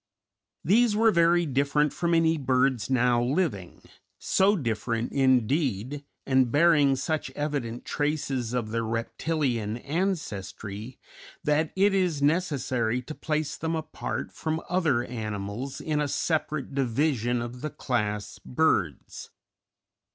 These were very different from any birds now living so different, indeed, and bearing such evident traces of their reptilian ancestry, that it is necessary to place them apart from other animals in a separate division of the class birds.